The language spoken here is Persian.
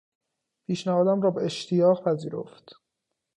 پیشنهادم را با اشتیاق پذیرفت.